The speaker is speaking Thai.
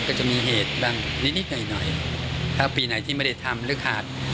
ก็จะมีเหตุบ้างนิดนิดหน่อยหน่อยถ้าปีไหนที่ไม่ได้ทำหรือขาด